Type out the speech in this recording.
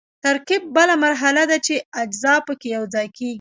ترکیب بله مرحله ده چې اجزا پکې یوځای کیږي.